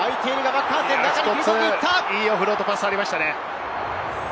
いいオフロードパスがありましたね。